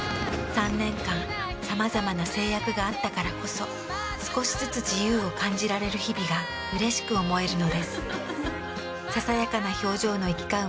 ３年間さまざまな制約があったからこそ少しずつ自由を感じられる日々がうれしく思えるのです。